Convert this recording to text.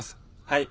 はい。